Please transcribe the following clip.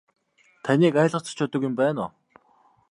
Таныг айлгаж цочоодог юм байна уу.